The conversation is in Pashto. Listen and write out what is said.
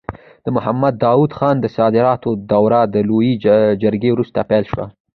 د محمد داود خان د صدارت دوره د لويې جرګې وروسته پیل شوه.